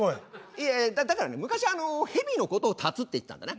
いやだからね昔あのヘビのことをタツって言ったんだな。